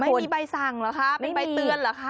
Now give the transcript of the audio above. ไม่มีใบสั่งเหรอคะเป็นใบเตือนเหรอคะ